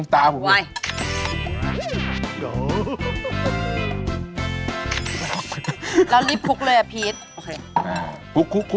ปลาดูก